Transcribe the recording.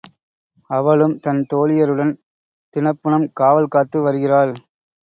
அவளும் தன் தோழியருடன் தினப்புனம் காவல் காத்து வருகிறாள்.